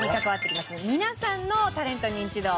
皆さんのタレントニンチド。